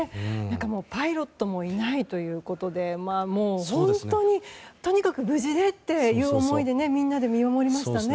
パイロットもいないということで本当に、とにかく無事でという思いでみんなで見守りましたね。